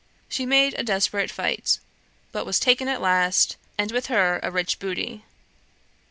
She made a desperate fight, but was taken at last, and with her a rich booty.